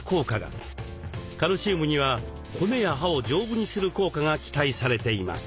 カルシウムには骨や歯を丈夫にする効果が期待されています。